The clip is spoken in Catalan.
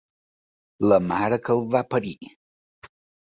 La mare que el va parir!